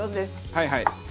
はいはい！